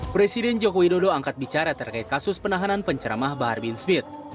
presiden joko widodo angkat bicara terkait kasus penahanan penceramah bahar bin smith